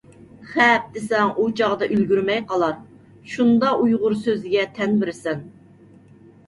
«خەپ» دېسەڭ ئۇچاغدا ئۈلگۈرمەي قالار، شۇندا ئۇيغۇر سۆزىگە تەن بىرىسەن.